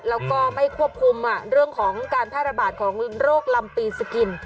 แล้วก็ไม่ควบคุมเรื่องของการแพร่ระบาดของโรคลำปีสกิน